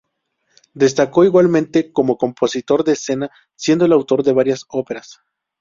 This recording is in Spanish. Destacó igualmente como compositor de escena, siendo el autor de varias óperas.